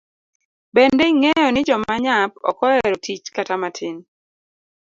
Bende ingeyo ni joma nyap ok oero tich kata matin.